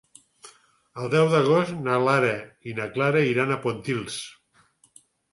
El deu d'agost na Lara i na Clara iran a Pontils.